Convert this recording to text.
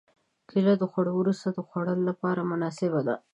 کېله د خوړو وروسته د خوړلو لپاره مناسبه ده.